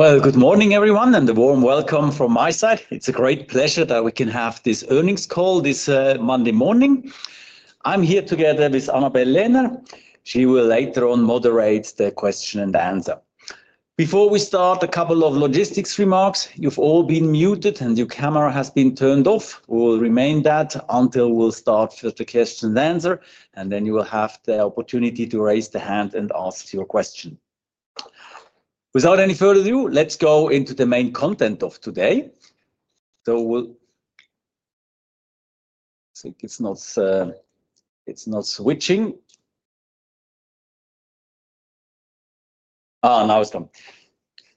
Good morning, everyone, and a warm welcome from my side. It's a great pleasure that we can have this earnings call this Monday morning. I'm here together with Annabelle Lehner. She will later on moderate the question and answer. Before we start, a couple of logistics remarks. You've all been muted, and your camera has been turned off. We'll remain that until we start with the question and answer, and then you will have the opportunity to raise the hand and ask your question. Without any further ado, let's go into the main content of today. It's not switching. Now it's gone.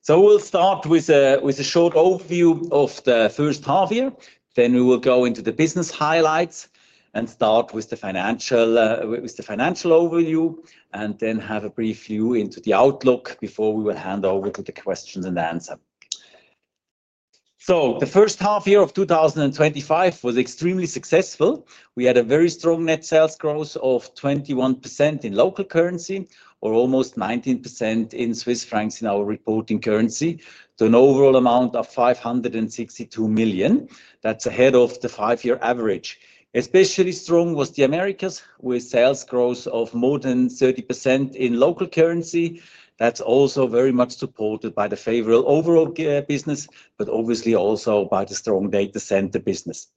We'll start with a short overview of the first half year. Then we will go into the business highlights and start with the financial overview, and then have a brief view into the outlook before we will hand over to the questions and answer. The first half year of 2025 was extremely successful. We had a very strong net sales growth of 21% in local currency, or almost 19% in Swiss francs in our reporting currency, to an overall amount of 562 million. That's ahead of the five-year average. Especially strong was the Americas, with sales growth of more than 30% in local currency. That's also very much supported by the favorable overall business, but obviously also by the strong data center business.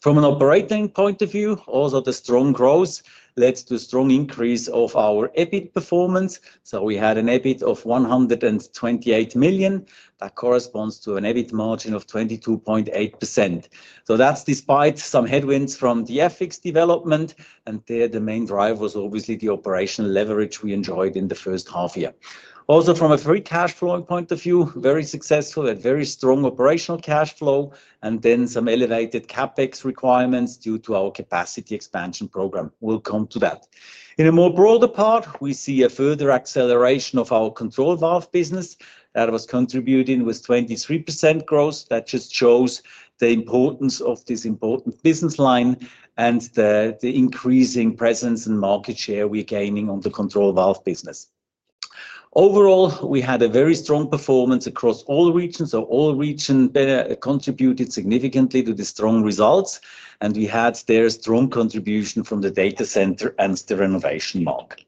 From an operating point of view, also the strong growth led to a strong increase of our EBIT performance. We had an EBIT of 128 million. That corresponds to an EBIT margin of 22.8%. That's despite some headwinds from the FX development, and the main driver was obviously the operational leverage we enjoyed in the first half year. Also, from a free cash flow point of view, very successful, had very strong operational cash flow, and then some elevated CapEx requirements due to our capacity expansion program. We'll come to that. In a more broader part, we see a further acceleration of our control valve business that was contributing with 23% growth. That just shows the importance of this important business line and the increasing presence and market share we're gaining on the control valve business. Overall, we had a very strong performance across all regions. All regions contributed significantly to the strong results, and we had their strong contribution from the data center and the renovation mark.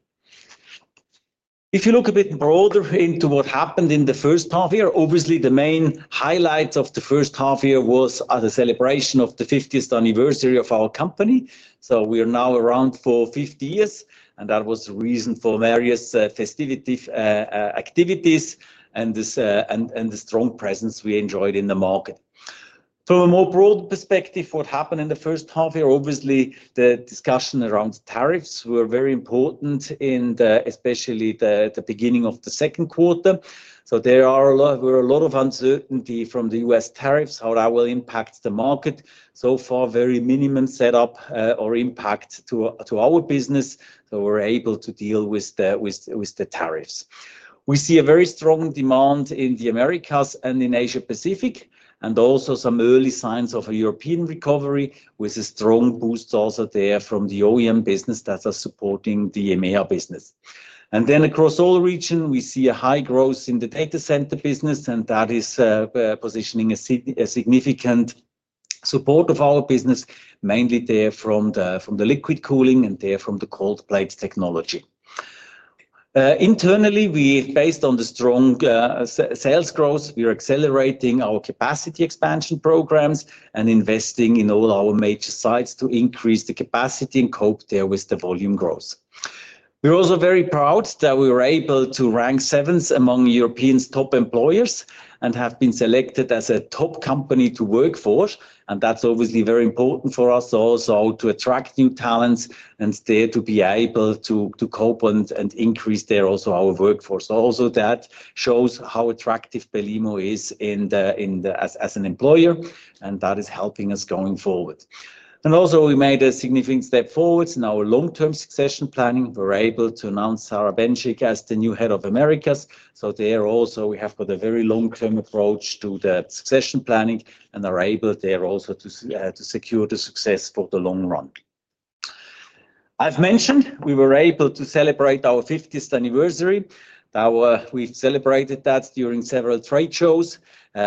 If you look a bit broader into what happened in the first half year, obviously the main highlight of the first half year was the celebration of the 50th anniversary of our company. We are now around for 50 years, and that was the reason for various festivity activities and the strong presence we enjoyed in the market. From a more broad perspective, what happened in the first half year, obviously the discussion around tariffs were very important, especially at the beginning of the second quarter. There were a lot of uncertainty from the U.S. tariffs, how that will impact the market. So far, very minimum setup or impact to our business, so we're able to deal with the tariffs. We see a very strong demand in the Americas and in Asia-Pacific, and also some early signs of a European recovery with a strong boost also there from the OEM business that are supporting the EMEA business. Across all regions, we see a high growth in the data center business, and that is positioning a significant support of our business, mainly there from the liquid cooling and there from the cold plate technology. Internally, based on the strong sales growth, we are accelerating our capacity expansion programs and investing in all our major sites to increase the capacity and cope there with the volume growth. We're also very proud that we were able to rank seventh among Europeans' top employers and have been selected as a top company to work for. That is obviously very important for us also to attract new talents and there to be able to cope and increase there also our workforce. Also that shows how attractive Belimo is as an employer, and that is helping us going forward. Also we made a significant step forward in our long-term succession planning. We were able to announce Sara Benchik as the new Head of Americas. There also we have got a very long-term approach to the succession planning and are able there also to secure the success for the long run. I've mentioned we were able to celebrate our 50th anniversary. We've celebrated that during several trade shows.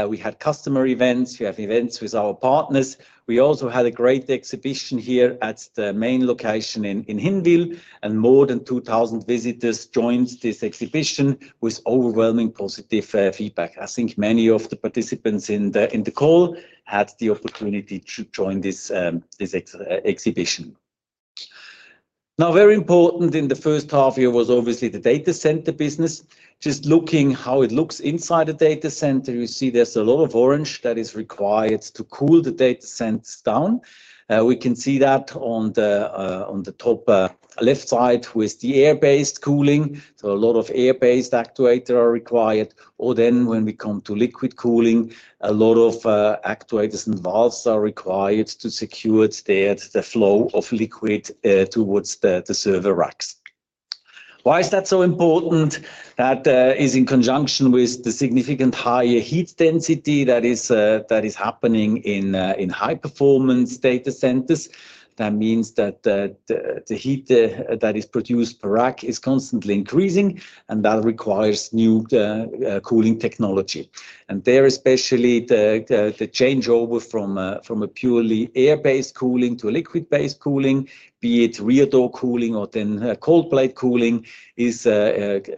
We had customer events. We have events with our partners. We also had a great exhibition here at the main location in Hinwil, and more than 2,000 visitors joined this exhibition with overwhelming positive feedback. I think many of the participants in the call had the opportunity to join this exhibition. Now, very important in the first half year was obviously the data center business. Just looking how it looks inside the data center, you see there's a lot of orange that is required to cool the data centers down. We can see that on the top left side with the air-based cooling. A lot of air-based actuators are required. Or then when we come to liquid cooling, a lot of actuators and valves are required to secure the flow of liquid towards the server racks. Why is that so important? That is in conjunction with the significant higher heat density that is happening in high-performance data centers. That means that the heat that is produced per rack is constantly increasing, and that requires new cooling technology. There especially the changeover from a purely air-based cooling to a liquid-based cooling, be it rear door cooling or then cold plate cooling, is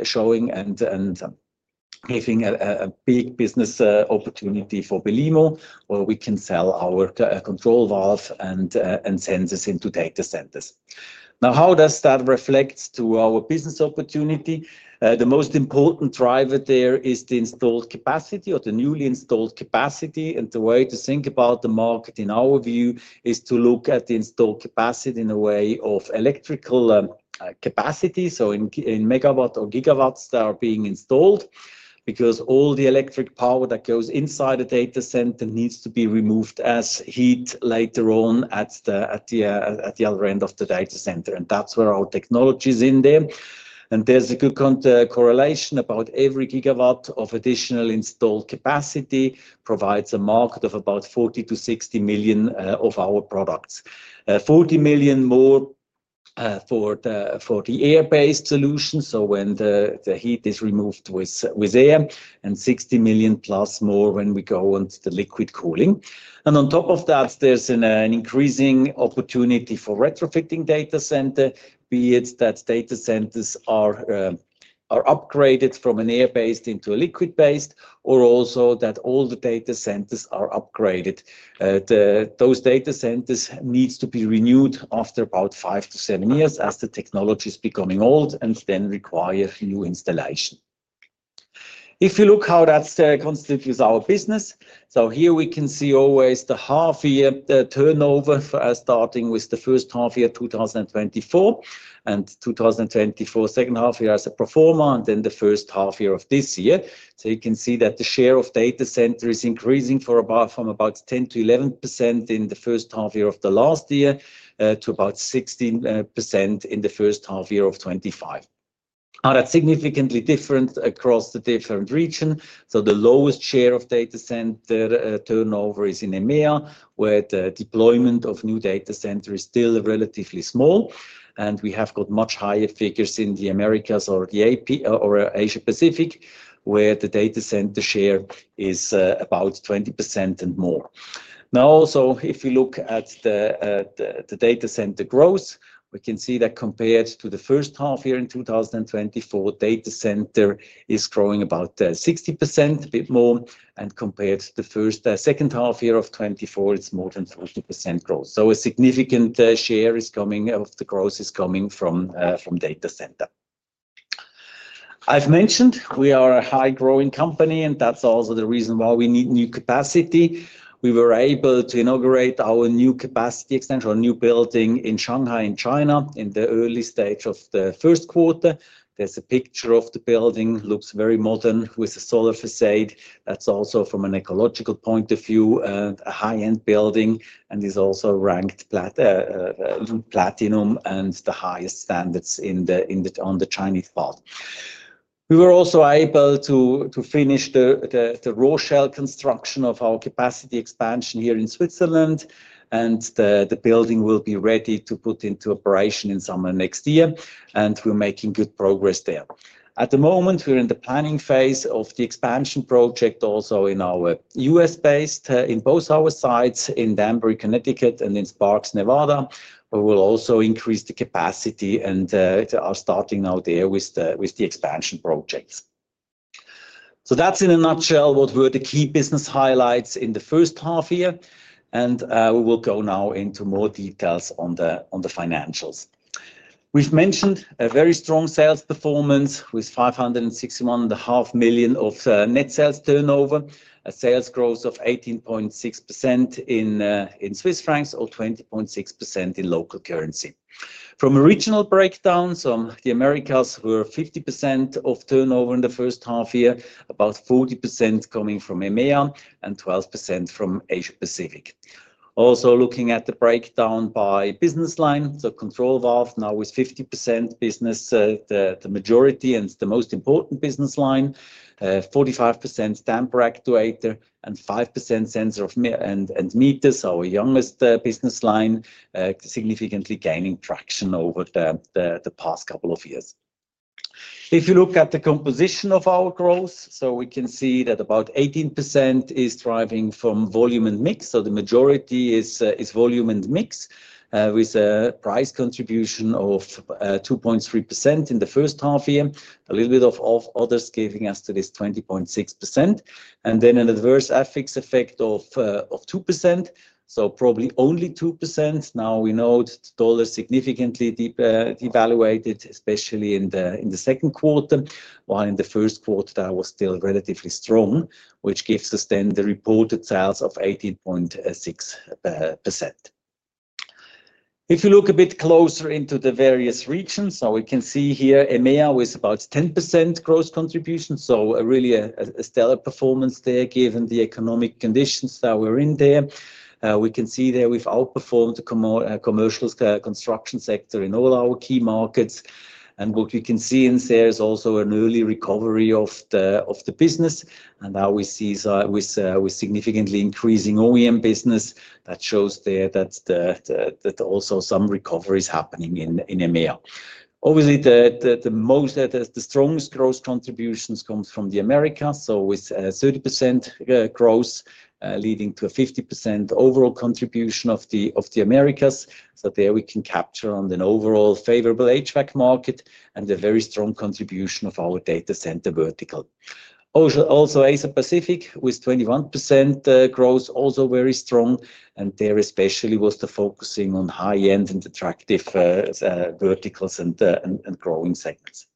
showing. Giving a big business opportunity for Belimo, where we can sell our control valves and sensors into data centers. Now, how does that reflect to our business opportunity? The most important driver there is the installed capacity or the newly installed capacity. The way to think about the market in our view is to look at the installed capacity in a way of electrical capacity, so in megawatts or gigawatts that are being installed, because all the electric power that goes inside the data center needs to be removed as heat later on at the other end of the data center. That's where our technology is in there. There's a good correlation: about every gigawatt of additional installed capacity provides a market of about 40 million-60 million of our products. 40 million more for the air-based solutions, so when the heat is removed with air, and 60 million plus more when we go into the liquid cooling. On top of that, there's an increasing opportunity for retrofitting data centers, be it that data centers are upgraded from an air-based into a liquid-based, or also that all the data centers are upgraded. Those data centers need to be renewed after about five to seven years as the technology is becoming old and then require new installation. If you look how that constitutes our business, here we can see always the half-year turnover starting with the first half year 2024 and 2024 second half year as a pro forma, and then the first half year of this year. You can see that the share of data centers is increasing from about 10-11% in the first half year of last year to about 16% in the first half year of 2025. That's significantly different across the different regions. The lowest share of data center turnover is in EMEA, where the deployment of new data centers is still relatively small. We have got much higher figures in the Americas or Asia-Pacific, where the data center share is about 20% and more. Also, if you look at the data center growth, we can see that compared to the first half year in 2024, data center is growing about 60%, a bit more. Compared to the second half year of 2024, it's more than 40% growth. A significant share of the growth is coming from data center. I've mentioned we are a high-growing company, and that's also the reason why we need new capacity. We were able to inaugurate our new capacity extension, our new building in Shanghai, in China, in the early stage of the first quarter. There's a picture of the building. It looks very modern with a solar facade. That's also from an ecological point of view, a high-end building, and is also ranked platinum and the highest standards on the Chinese part. We were also able to finish the raw shell construction of our capacity expansion here in Switzerland, and the building will be ready to put into operation in summer next year. We are making good progress there. At the moment, we are in the planning phase of the expansion project, also in our U.S.-based, in both our sites in Danbury, Connecticut, and in Sparks, Nevada. We will also increase the capacity and are starting now there with the expansion projects. That is in a nutshell what were the key business highlights in the first half year. We will go now into more details on the financials. We have mentioned a very strong sales performance with 561.5 million of net sales turnover, a sales growth of 18.6% in Swiss francs or 20.6% in local currency. From original breakdown, the Americas were 50% of turnover in the first half year, about 40% coming from EMEA and 12% from Asia-Pacific. Also looking at the breakdown by business line, control valve now with 50% business. The majority and the most important business line, 45% damper actuator and 5% sensor and meters, our youngest business line, significantly gaining traction over the past couple of years. If you look at the composition of our growth, we can see that about 18% is driving from volume and mix. The majority is volume and mix with a price contribution of 2.3% in the first half year, a little bit of others giving us to this 20.6%. Then an adverse FX effect of 2%, so probably only 2%. Now we note the dollar significantly devaluated, especially in the second quarter, while in the first quarter, that was still relatively strong, which gives us then the reported sales of 18.6%. If you look a bit closer into the various regions, we can see here EMEA with about 10% growth contribution, really a stellar performance there given the economic conditions that we are in there. We can see there we have outperformed the commercial construction sector in all our key markets. What we can see in there is also an early recovery of the business. Now we see with significantly increasing OEM business, that shows there that. Also some recovery is happening in EMEA. Obviously, the strongest growth contributions come from the Americas, with 30% growth leading to a 50% overall contribution of the Americas. There we can capture on an overall favorable HVAC market and a very strong contribution of our data center vertical. Also Asia-Pacific with 21% growth, also very strong. There especially was the focusing on high-end and attractive. Verticals and growing segments.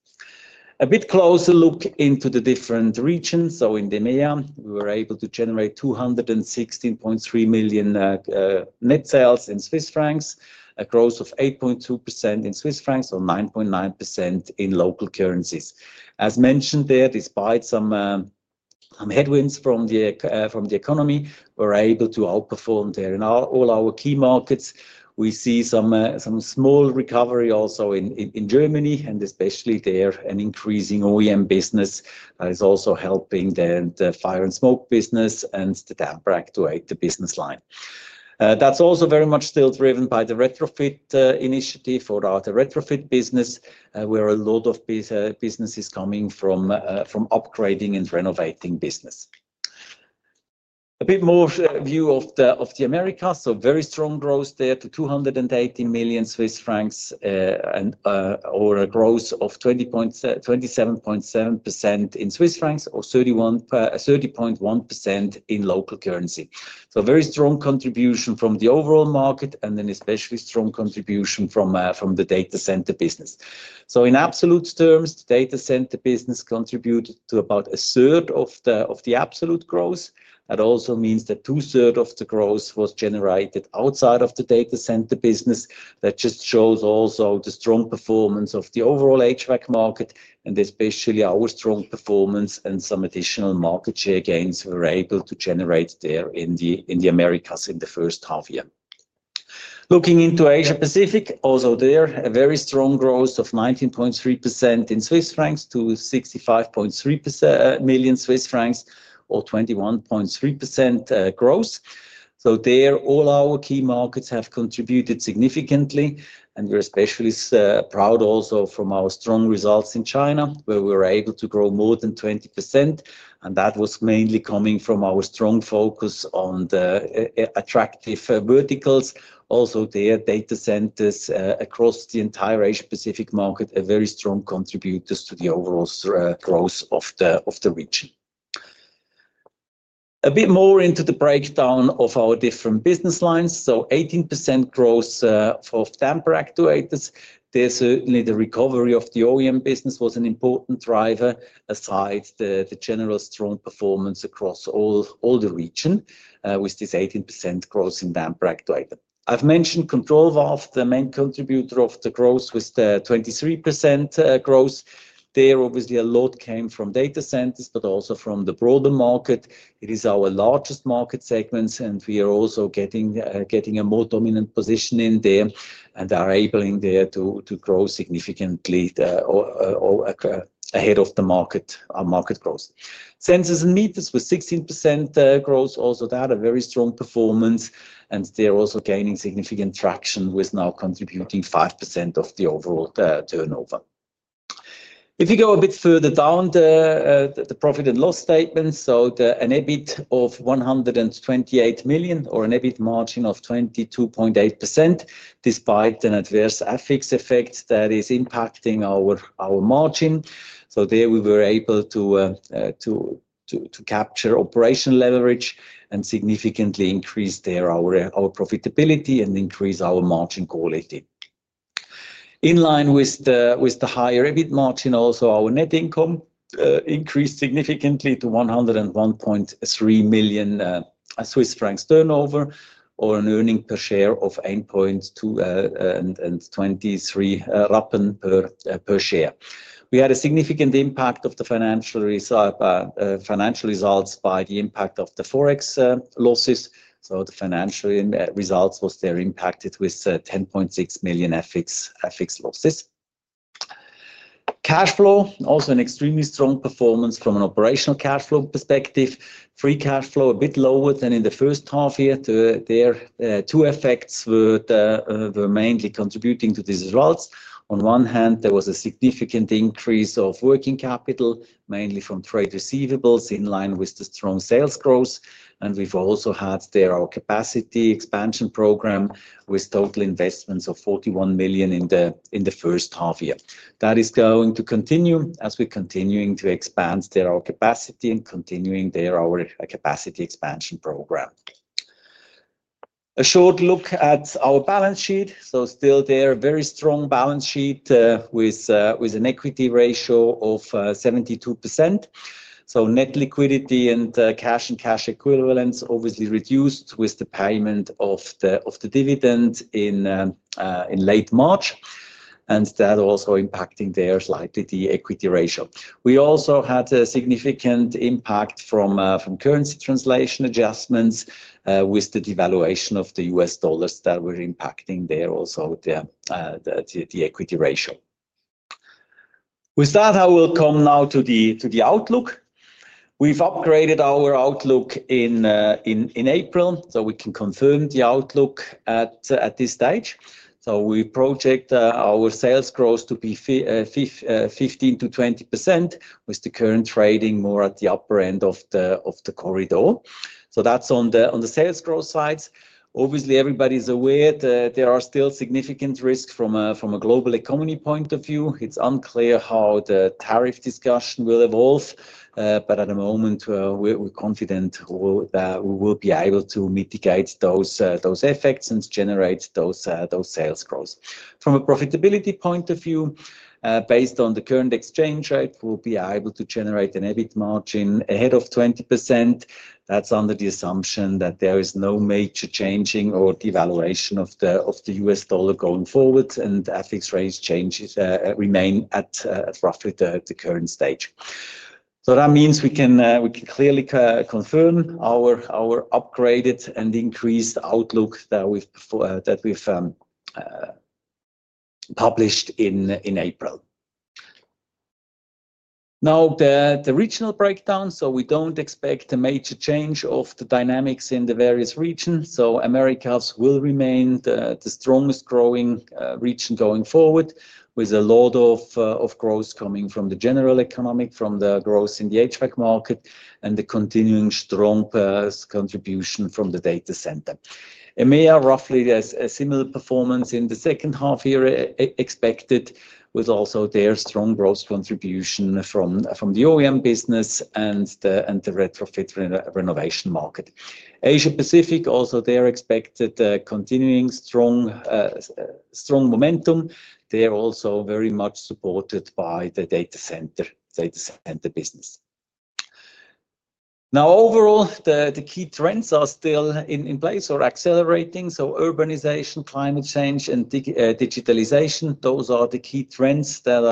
A bit closer look into the different regions. In EMEA, we were able to generate 216.3 million net sales in Swiss francs, a growth of 8.2% in Swiss francs or 9.9% in local currencies. As mentioned there, despite some headwinds from the economy, we are able to outperform there in all our key markets. We see some small recovery also in Germany, and especially there an increasing OEM business that is also helping the fire and smoke business and the damper actuator business line. That is also very much still driven by the retrofit initiative or the retrofit business, where a lot of business is coming from. Upgrading and renovating business. A bit more view of the Americas. Very strong growth there to 280 million Swiss francs, or a growth of 27.7% in Swiss francs or 30.1% in local currency. Very strong contribution from the overall market and then especially strong contribution from the data center business. In absolute terms, the data center business contributed to about a third of the absolute growth. That also means that two-thirds of the growth was generated outside of the data center business. That just shows also the strong performance of the overall HVAC market and especially our strong performance and some additional market share gains we were able to generate there in the Americas in the first half year. Looking into Asia-Pacific, also there, very strong growth of 19.3% in Swiss francs to 65.3 million Swiss francs or 21.3% growth. All our key markets have contributed significantly. We are especially proud also from our strong results in China, where we were able to grow more than 20%. That was mainly coming from our strong focus on attractive verticals. Also there, data centers across the entire Asia-Pacific market, a very strong contributor to the overall growth of the region. A bit more into the breakdown of our different business lines. 18% growth of damper actuators. Certainly the recovery of the OEM business was an important driver aside the general strong performance across all the region with this 18% growth in damper actuators. I have mentioned control valves, the main contributor of the growth with 23% growth. There, obviously, a lot came from data centers, but also from the broader market. It is our largest market segment, and we are also getting a more dominant position in there and are able in there to grow significantly ahead of the market. Growth. Sensors and meters with 16% growth. Also, that had a very strong performance. They are also gaining significant traction with now contributing 5% of the overall turnover. If you go a bit further down the profit and loss statements, an EBIT of 128 million or an EBIT margin of 22.8%, despite an adverse FX effect that is impacting our margin. We were able to capture operational leverage and significantly increase there our profitability and increase our margin quality. In line with the higher EBIT margin, also our net income increased significantly to 101.3 million Swiss francs turnover or an earnings per share of 8.223 per share. We had a significant impact of the financial results by the impact of the forex losses. The financial results were there impacted with 10.6 million FX losses. Cash flow, also an extremely strong performance from an operational cash flow perspective. Free cash flow, a bit lower than in the first half year. There are two effects that were mainly contributing to these results. On one hand, there was a significant increase of working capital, mainly from trade receivables in line with the strong sales growth. We have also had there our capacity expansion program with total investments of 41 million in the first half year. That is going to continue as we are continuing to expand there our capacity and continuing there our capacity expansion program. A short look at our balance sheet. Still there, a very strong balance sheet with an equity ratio of 72%. Net liquidity and cash and cash equivalents obviously reduced with the payment of the dividend in late March. That also impacting there slightly the equity ratio. We also had a significant impact from currency translation adjustments with the devaluation of the US dollar that were impacting there also the equity ratio. With that, I will come now to the outlook. We have upgraded our outlook in April, so we can confirm the outlook at this stage. We project our sales growth to be 15%-20% with the current trading more at the upper end of the corridor. That is on the sales growth side. Obviously, everybody is aware that there are still significant risks from a global economy point of view. It is unclear how the tariff discussion will evolve, but at the moment, we are confident that we will be able to mitigate those effects and generate those sales growth. From a profitability point of view, based on the current exchange rate, we will be able to generate an EBIT margin ahead of 20%. That is under the assumption that there is no major changing or devaluation of the US dollar going forward, and FX rates changes remain at roughly the current stage. That means we can clearly confirm our upgraded and increased outlook that we have published in April. Now, the regional breakdown, we do not expect a major change of the dynamics in the various regions. Americas will remain the strongest growing region going forward with a lot of growth coming from the general economic, from the growth in the HVAC market, and the continuing strong contribution from the data center. EMEA, roughly, there is a similar performance in the second half year expected with also their strong growth contribution from the OEM business and the retrofit renovation market. Asia-Pacific, also there expected continuing strong momentum. They are also very much supported by the data center business. Now, overall, the key trends are still in place or accelerating. Urbanization, climate change, and digitalization, those are the key trends that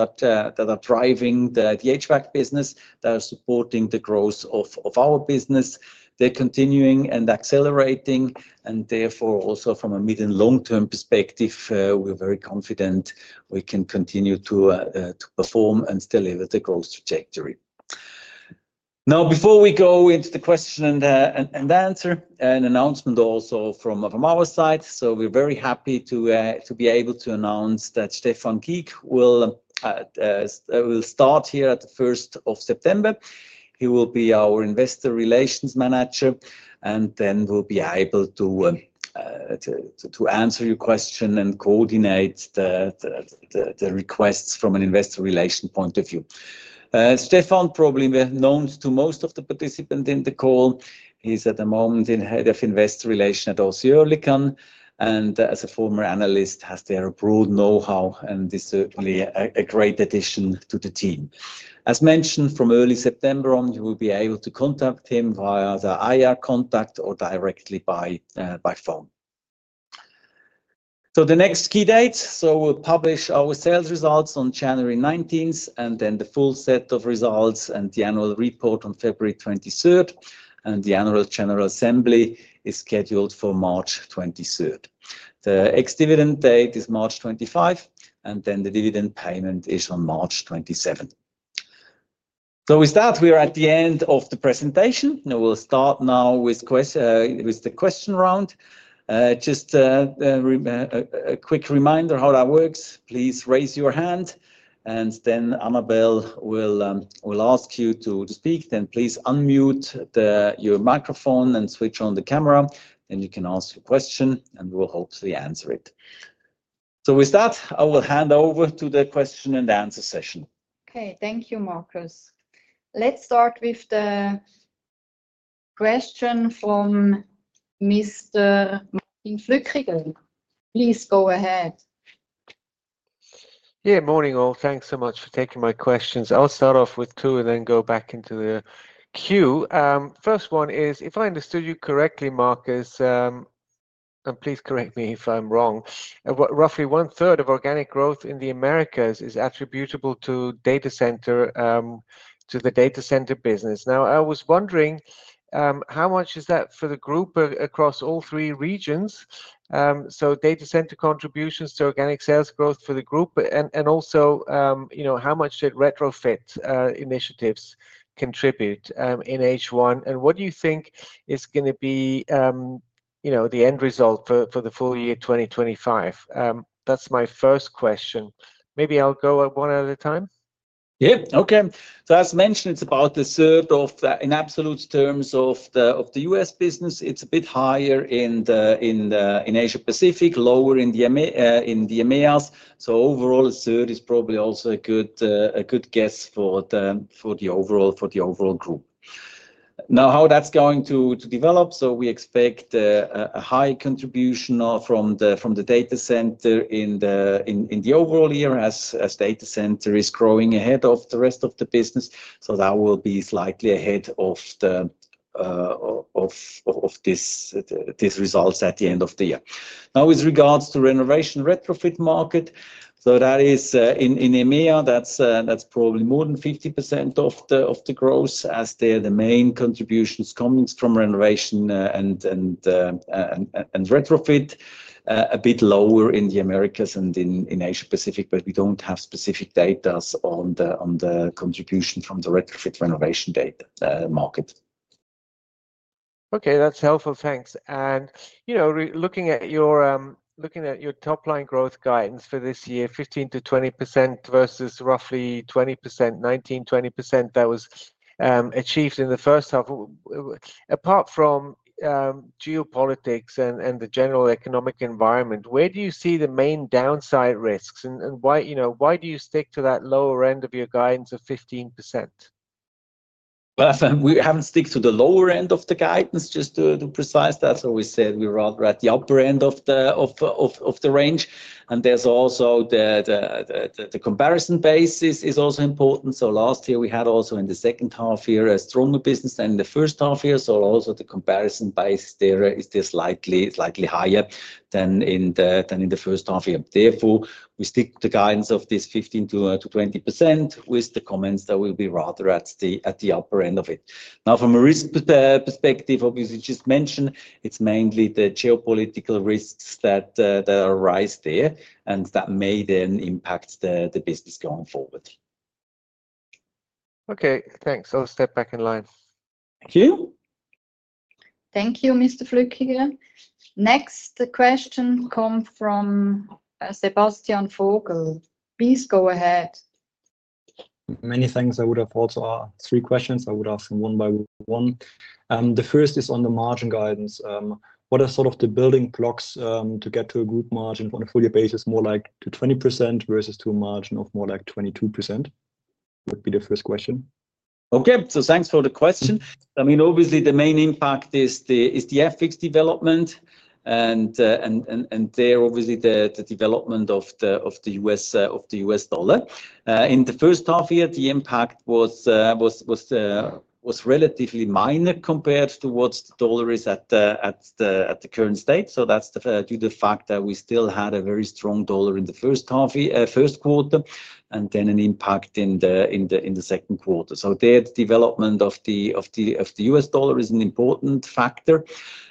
are driving the HVAC business that are supporting the growth of our business. They are continuing and accelerating, and therefore, also from a mid and long-term perspective, we are very confident we can continue to perform and still live with the growth trajectory. Now, before we go into the question and answer, an announcement also from our side. We're very happy to be able to announce that Stefan Kiek will start here at the 1st of September. He will be our Investor Relations Manager, and then we'll be able to answer your question and coordinate the requests from an investor relations point of view. Stefan, probably known to most of the participants in the call, is at the moment Head of Investor Relations at OC Oerlikon and as a former analyst has their broad know-how, and this is certainly a great addition to the team. As mentioned, from early September on, you will be able to contact him via the IR contact or directly by phone. The next key dates, we'll publish our sales results on January 19th, and then the full set of results and the annual report on February 23rd. The Annual General Assembly is scheduled for March 23rd. The ex-dividend date is March 25th, and the dividend payment is on March 27th. With that, we are at the end of the presentation. We'll start now with the question round. Just a quick reminder how that works. Please raise your hand, and then Annabelle will ask you to speak. Please unmute your microphone and switch on the camera. You can ask your question, and we'll hopefully answer it. With that, I will hand over to the question and answer session. Okay, thank you, Markus. Let's start with the question from Mr. Martin Flueckiger. Please go ahead. Morning all. Thanks so much for taking my questions. I'll start off with two and then go back into the queue. First one is, if I understood you correctly, Markus, and please correct me if I'm wrong, roughly one-third of organic growth in the Americas is attributable to the data center business. I was wondering how much is that for the group across all three regions? Data center contributions to organic sales growth for the group, and also how much did retrofit initiatives contribute in H1? What do you think is going to be the end result for the full year 2025? That's my first question, maybe I'll go one at a time. Okay. As mentioned, it's about a third in absolute terms of the U.S. business. It's a bit higher in Asia-Pacific, lower in the EMEA. Overall, a third is probably also a good guess for the overall group. How that's going to develop, we expect a high contribution from the data center in the overall year as data center is growing ahead of the rest of the business. That will be slightly ahead of these results at the end of the year with regards to renovation retrofit market, in EMEA, that's probably more than 50% of the growth as the main contribution is coming from renovation and retrofit. A bit lower in the Americas and in Asia-Pacific, but we do not have specific data on the contribution from the retrofit renovation market. Okay, that is helpful. Thanks. Looking at your top-line growth guidance for this year, 15%-20% versus roughly 20%, 19%, 20% that was achieved in the first half. Apart from geopolitics and the general economic environment, where do you see the main downside risks? Why do you stick to that lower end of your guidance of 15%? We have not stuck to the lower end of the guidance, just to precise that. We said we are at the upper end of the range, the comparison base is also important. Last year, we had also in the second half year a stronger business than in the first half year. The comparison base there is slightly higher than in the first half year. Therefore, we stick to the guidance of this 15%-20% with the comments that we will be rather at the upper end of it. Now, from a risk perspective, obviously, just mentioned, it is mainly the geopolitical risks that arise there, and that may then impact the business going forward. Okay, thanks. I will step back in line. Thank you. Thank you, Mr. Flueckiger. Next, the question comes from Sebastian Vogel. Please go ahead. Many thanks. I would have also three questions. I would ask them one by one. The first is on the margin guidance, what are sort of the building blocks to get to a group margin on a full year basis, more like to 20% versus to a margin of more like 22%? Would be the first question. Okay, so thanks for the question. I mean, obviously, the main impact is the FX development. There, obviously, the development of the US dollar. In the first half year, the impact was relatively minor compared to what the dollar is at the current state. That is due to the fact that we still had a very strong dollar in the first quarter and then an impact in the second quarter. The development of the US dollar is an important factor.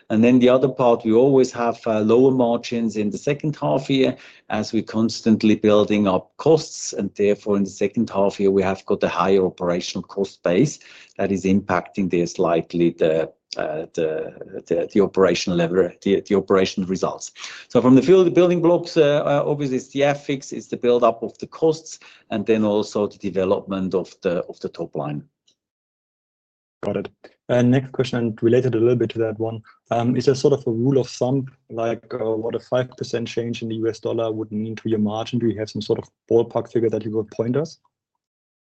The other part, we always have lower margins in the second half year as we are constantly building up costs. Therefore, in the second half year, we have got a higher operational cost base that is impacting slightly the operational results. From the field of building blocks, obviously, it is the FX, it is the build-up of the costs, and then also the development of the top line. Got it. Next question, related a little bit to that one. Is there sort of a rule of thumb, like what a 5% change in the US dollar would mean to your margin? Do you have some sort of ballpark figure that you would point us?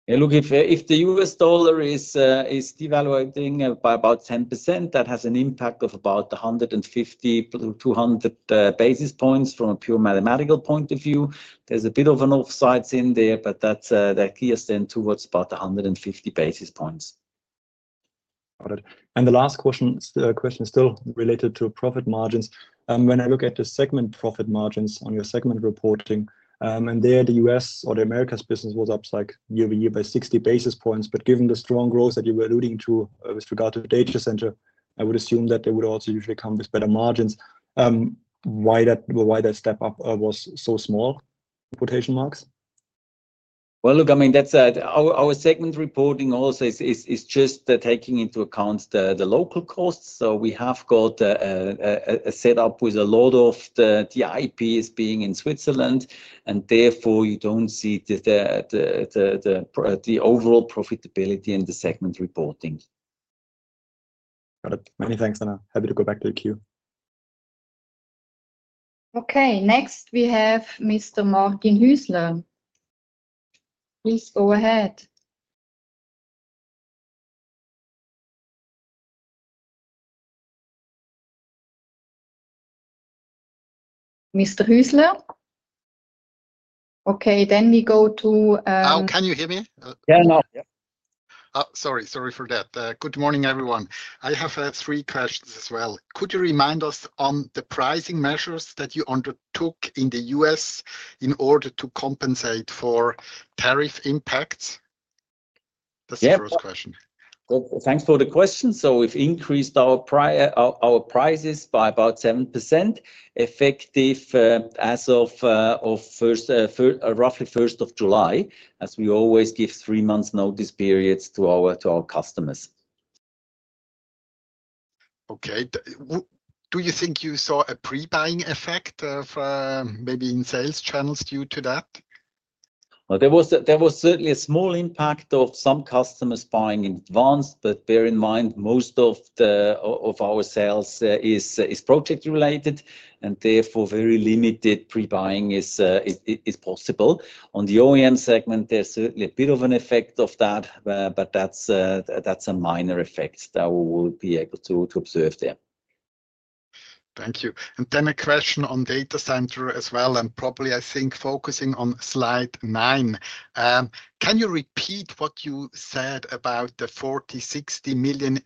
Look, if the US dollar is devaluating by about 10%, that has an impact of about 150 to 200 basis points from a pure mathematical point of view. There is a bit of an offside in there, but that gears then towards about 150 basis points. The last question is still related to profit margins. When I look at the segment profit margins on your segment reporting, and there the US or the Americas business was up like year over year by 60 basis points, but given the strong growth that you were alluding to with regard to data center, I would assume that they would also usually come with better margins. Why that step up was so small? Quotation marks. Our segment reporting also is just taking into account the local costs. We have got a setup with a lot of the IPs being in Switzerland, and therefore, you do not see the overall profitability in the segment reporting. Got it. Many thanks, Anna. Happy to go back to the queue. Okay, next, we have Mr. Martin Hüsler. Go ahead. Mr. Hüsler. Okay, then we go to— Oh, can you hear me? Yeah, [inaudible] Sorry for that. Good morning, everyone. I have three questions as well. Could you remind us on the pricing measures that you undertook in the US in order to compensate for tariff impacts? That is the first question. Thanks for the question. We have increased our prices by about 7% effective as of roughly 1 July, as we always give three-month notice periods to our customers. Okay. Do you think you saw a pre-buying effect maybe in sales channels due to that? There was certainly a small impact of some customers buying in advance, but bear in mind, most of our sales is project-related, and therefore, very limited pre-buying is possible. On the OEM segment, there is certainly a bit of an effect of that, but that is a minor effect that we will be able to observe there. Thank you. A question on data center as well, and probably, I think, focusing on slide nine. Can you repeat what you said about the 40-60 million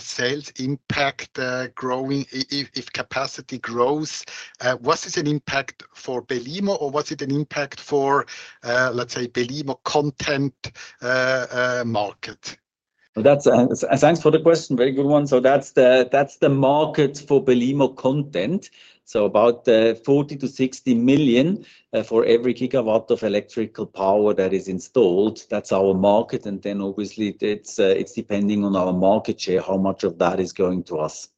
sales impact growing if capacity grows? Was this an impact for Belimo, or was it an impact for, let us say, Belimo content market? Thanks for the question. Very good one. That is the market for Belimo content. About 40-60 million for every gigawatt of electrical power that is installed. That is our market. Then, obviously, it is depending on our market share, how much of that is going to us.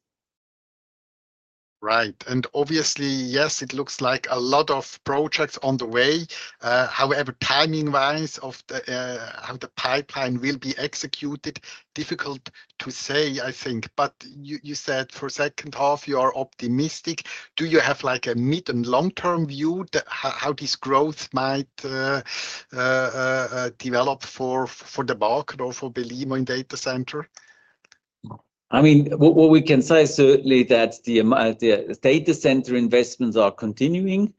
Obviously, yes, it looks like a lot of projects on the way. However, timing-wise, of the pipeline will be executed, difficult to say, I think. You said for the second half, you are optimistic. Do you have a mid and long-term view that how this growth might develop for the market or for Belimo in data center? I mean, what we can say is certainly that the data center investments are continuing,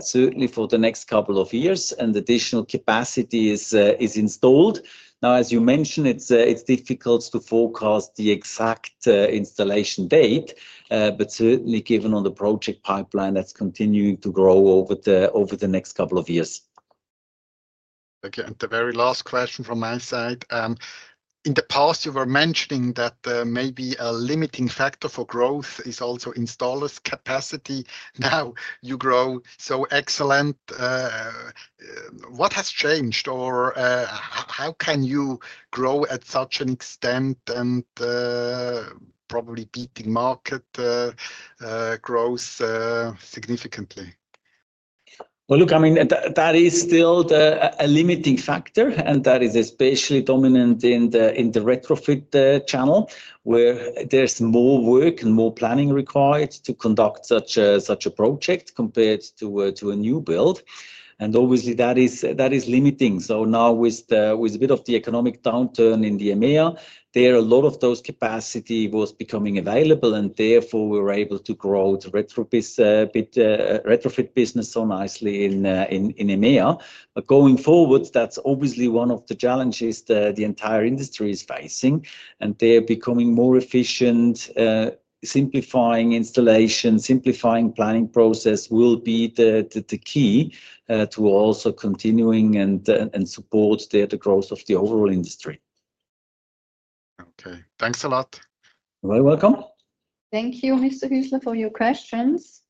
certainly for the next couple of years, and additional capacity is installed. Now, as you mentioned, it's difficult to forecast the exact installation date, but certainly, given on the project pipeline, that's continuing to grow over the next couple of years. Okay. And the very last question from my side. In the past, you were mentioning that maybe a limiting factor for growth is also installers' capacity. Now you grow so excellent. What has changed, or how can you grow at such an extent and probably beating market growth significantly? Look, I mean, that is still a limiting factor, and that is especially dominant in the retrofit channel, where there's more work and more planning required to conduct such a project compared to a new build. Obviously, that is limiting. Now, with a bit of the economic downturn in the EMEA, a lot of those capacity was becoming available, and therefore, we were able to grow the retrofit business so nicely in EMEA. Going forward, that's obviously one of the challenges the entire industry is facing. They're becoming more efficient. Simplifying installation, simplifying planning process will be the key to also continuing and support the growth of the overall industry. Okay. Thanks a lot. You're very welcome. Thank you, Mr. Hüsler, for your questions.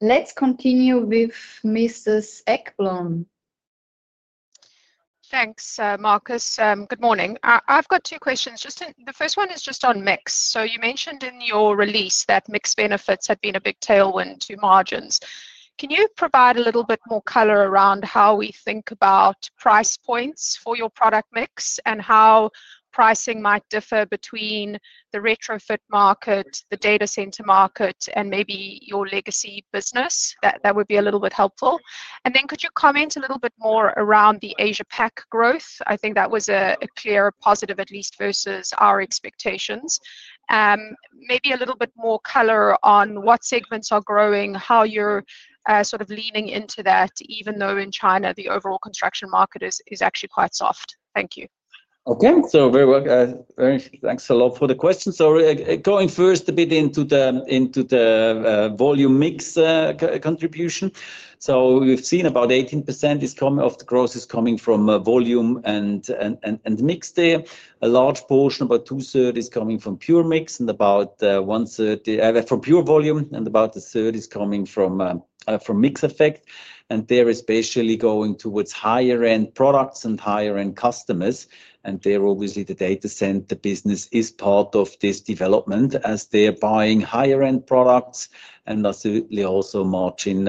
Let's continue with Mrs. Ekblom. Thanks, Markus. Good morning. I've got two questions, the first one is just on mix. You mentioned in your release that mix benefits had been a big tailwind to margins. Can you provide a little bit more color around how we think about price points for your product mix and how pricing might differ between the retrofit market, the data center market, and maybe your legacy business? That would be a little bit helpful. Could you comment a little bit more around the Asia-Pac growth? I think that was a clearer positive, at least, versus our expectations. Maybe a little bit more color on what segments are growing, how you're sort of leaning into that, even though in China, the overall construction market is actually quite soft. Thank you. Okay. Very well. Thanks a lot for the questions. Going first a bit into the volume mix contribution. We've seen about 18% of the growth is coming from volume and mix there, a large portion, about two-thirds, is coming from pure mix and about one-third from pure volume, and about a third is coming from mix effect. They're especially going towards higher-end products and higher-end customers. There, obviously, the data center business is part of this development as they're buying higher-end products and are certainly also margin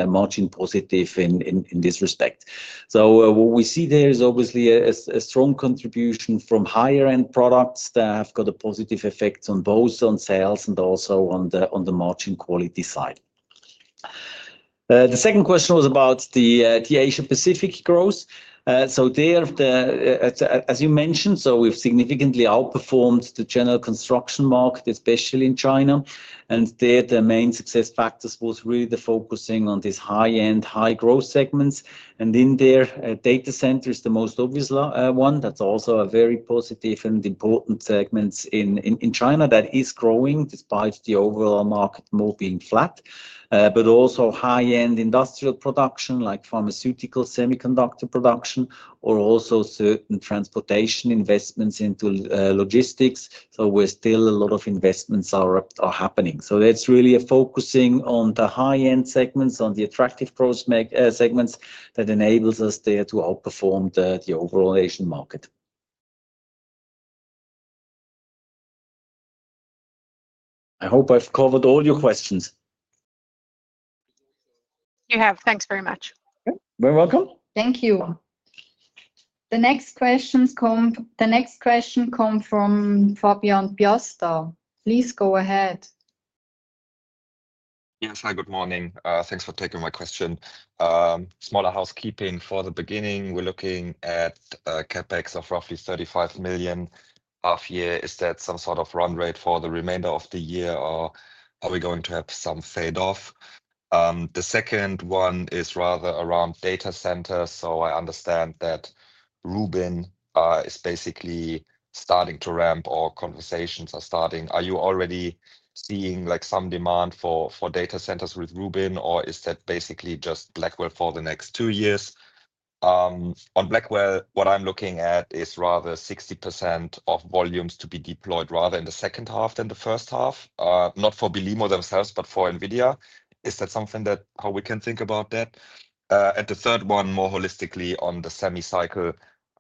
positive in this respect. What we see there is obviously a strong contribution from higher-end products that have got a positive effect both on sales and also on the margin quality side. The second question was about the Asia-Pacific growth. There, as you mentioned, we have significantly outperformed the general construction market, especially in China. There, the main success factors were really the focusing on these high-end, high-growth segments. In there, data center is the most obvious one. That is also a very positive and important segment in China that is growing despite the overall market more being flat, but also high-end industrial production like pharmaceutical, semiconductor production, or also certain transportation investments into logistics. There are still a lot of investments happening. That is really a focusing on the high-end segments, on the attractive growth segments that enables us there to outperform the overall Asian market. I hope I have covered all your questions. You have. Thanks very much. You are very welcome. Thank you. The next question comes from Fabian Piasta. Please go ahead. Yes. Hi, good morning. Thanks for taking my question. Smaller housekeeping for the beginning. We are looking at CapEx of roughly 35 million half-year is that some sort of run rate for the remainder of the year, or are we going to have some fade-off? The second one is rather around data centers. I understand that Rubin is basically starting to ramp or conversations are starting. Are you already seeing some demand for data centers with Rubin, or is that basically just Blackwell for the next two years? On Blackwell, what I am looking at is rather 60% of volumes to be deployed rather in the second half than the first half, not for BELIMO themselves, but for NVIDIA. Is that something that, how we can think about that? The third one, more holistically on the semi-cycle,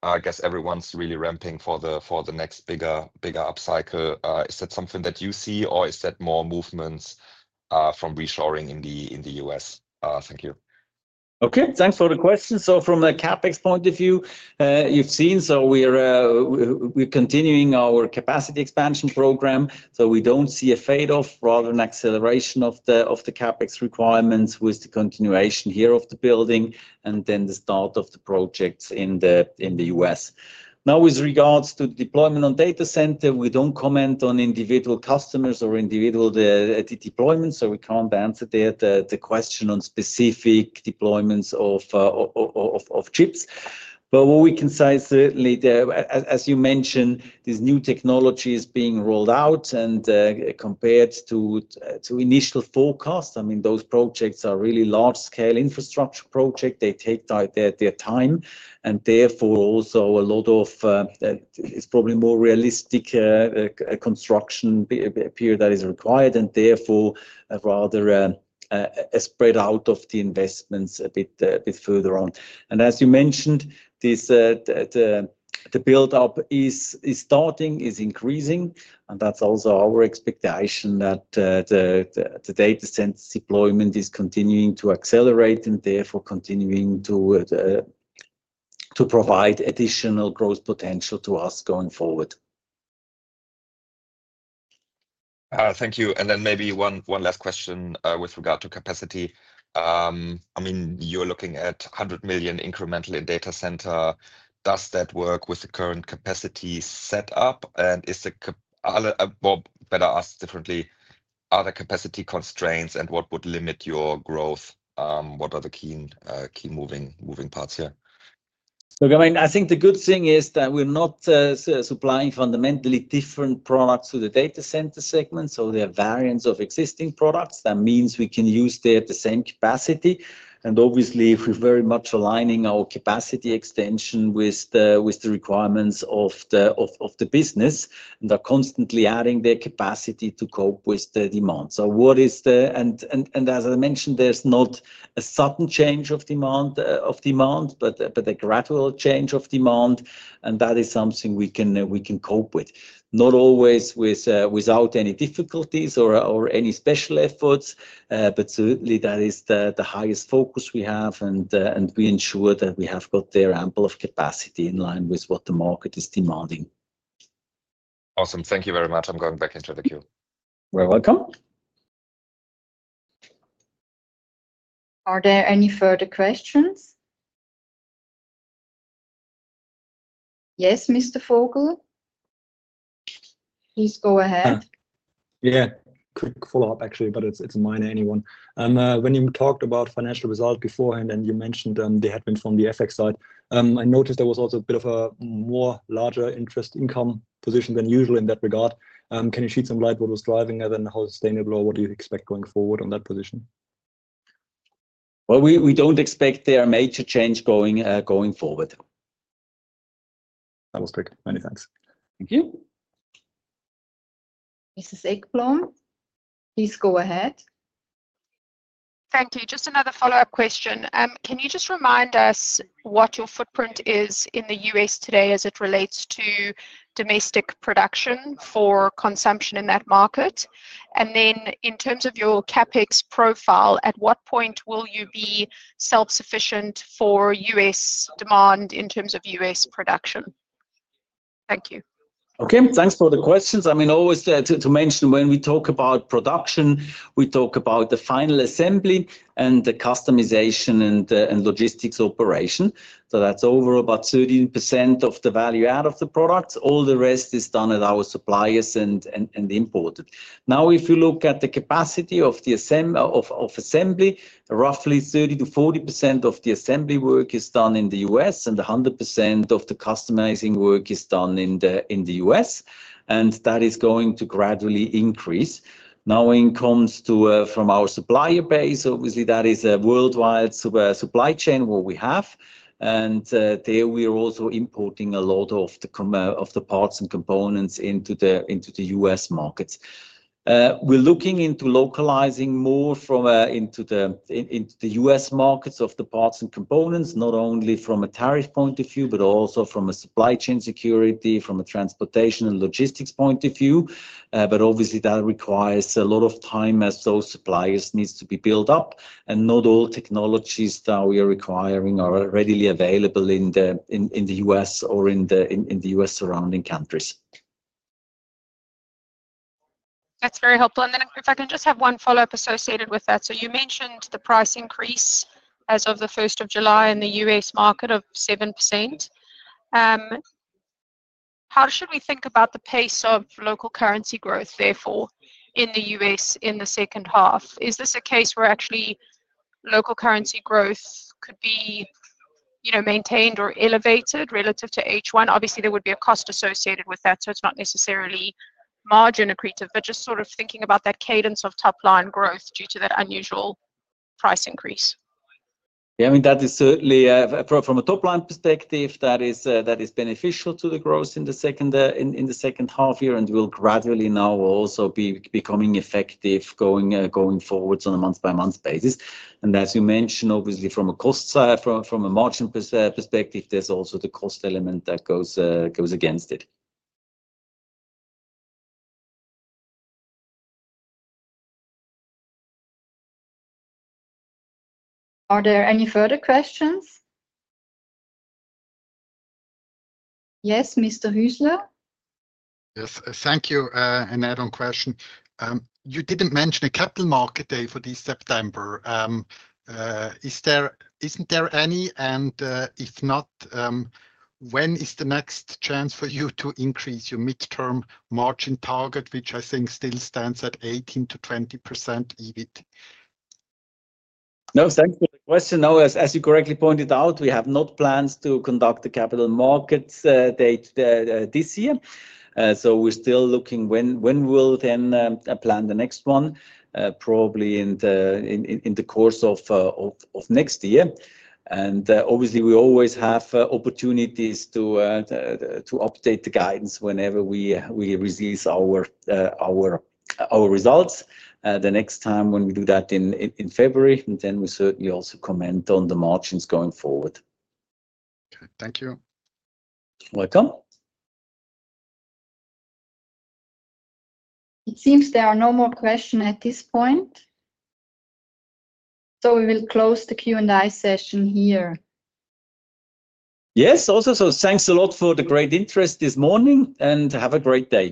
I guess everyone is really ramping for the next bigger upcycle. Is that something that you see, or is that more movements from reshoring in the U.S.? Thank you. Okay. Thanks for the question. From the CapEx point of view, you have seen we are continuing our capacity expansion program. We do not see a fade-off, rather an acceleration of the CapEx requirements with the continuation here of the building and then the start of the projects in the U.S. Now, with regards to the deployment on data center, we do not comment on individual customers or individual deployments. We cannot answer the question on specific deployments of chips. What we can say is certainly, as you mentioned, this new technology is being rolled out. Compared to initial forecast, those projects are really large-scale infrastructure projects. They take their time. Therefore, also a lot of, it is probably more realistic, construction period that is required, and therefore, rather a spread out of the investments a bit further on. As you mentioned, the build-up is starting, is increasing, and that is also our expectation that the data center deployment is continuing to accelerate and therefore continuing to provide additional growth potential to us going forward. Thank you. Maybe one last question with regard to capacity. I mean, you're looking at $100 million incrementally in data center. Does that work with the current capacity setup? Better asked differently, are there capacity constraints, and what would limit your growth? What are the key moving parts here? Look, I mean, I think the good thing is that we're not supplying fundamentally different products to the data center segment. There are variants of existing products. That means we can use the same capacity. Obviously, we're very much aligning our capacity extension with the requirements of the business and are constantly adding capacity to cope with the demand. As I mentioned, there's not a sudden change of demand, but a gradual change of demand that is something we can cope with, not always without any difficulties or any special efforts. Certainly, that is the highest focus we have, and we ensure that we have ample capacity in line with what the market is demanding. Awesome. Thank you very much. I'm going back into the queue. You're welcome. Are there any further questions? Yes, Mr. Vogel. Please go ahead. Quick follow-up, actually, but it's a minor one. When you talked about financial result beforehand and you mentioned they had been from the FX side, I noticed there was also a bit of a more larger interest income position than usual in that regard. Can you shed some light on what was driving it and how sustainable or what do you expect going forward on that position? We do not expect there are major change going forward. Many thanks. Thank you. Mrs. Ekblom. Please go ahead. Thank you. Just another follow-up question. Can you just remind us what your footprint is in the U.S. today as it relates to domestic production for consumption in that market? In terms of your CapEx profile, at what point will you be self-sufficient for U.S. demand in terms of U.S. production? Thank you. Okay. Thanks for the questions. I mean, always to mention, when we talk about production, we talk about the final assembly and the customization and logistics operation. That's over about 13% of the value-add of the products. All the rest is done at our suppliers and imported. Now, if you look at the capacity of assembly, roughly 30-40% of the assembly work is done in the U.S., and 100% of the customizing work is done in the U.S. That is going to gradually increase. Now, when it comes to our supplier base, obviously, that is a worldwide supply chain we have. We are also importing a lot of the parts and components into the U.S. markets. We're looking into localizing more into the U.S. markets of the parts and components, not only from a tariff point of view, but also from a supply chain security, from a transportation and logistics point of view. Obviously, that requires a lot of time as those suppliers need to be built up. Not all technologies that we are requiring are readily available in the U.S. or in the U.S. surrounding countries. That's very helpful. If I can just have one follow-up associated with that. You mentioned the price increase as of the 1st of July in the U.S. market of 7%. How should we think about the pace of local currency growth, therefore, in the U.S. in the second half? Is this a case where actually local currency growth could be maintained or elevated relative to H1? Obviously, there would be a cost associated with that. It's not necessarily margin accretive, but just sort of thinking about that cadence of top-line growth due to that unusual price increase. I mean, that is certainly from a top-line perspective, that is beneficial to the growth in the second half year and will gradually now also be becoming effective going forwards on a month-by-month basis. As you mentioned, obviously, from a margin perspective, there's also the cost element that goes against it. Are there any further questions? Yes, Mr. Hüsler. Yes. Thank you. An add-on question. You didn't mention a capital market day for this September. Is there any, if not, when is the next chance for you to increase your midterm margin target, which I think still stands at 18-20% EBIT? As you correctly pointed out, we have not plans to conduct the capital markets date this year. We're still looking when we'll then plan the next one, probably in the course of next year. Obviously, we always have opportunities to update the guidance whenever we release our results. The next time when we do that in February, then we certainly also comment on the margins going forward. Thank you. You're welcome. It seems there are no more questions at this point. We will close the Q&A session here. Also, thanks a lot for the great interest this morning and have a great day.